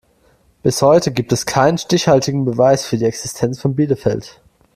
Bis heute gibt es keinen stichhaltigen Beweis für die Existenz von Bielefeld.